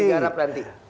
tinggal digarap nanti